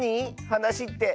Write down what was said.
はなしって。